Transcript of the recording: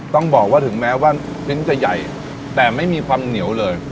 ต้องบอกว่าถึงแม้ว่าลิ้นจะใหญ่แต่ไม่มีความเหนียวเลย